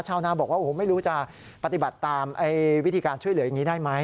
ชาวนาบอกว่าโอ้โหไม่รู้จะปฏิบัติตามวิธีการช่วยเหลืออย่างนี้ได้ไหม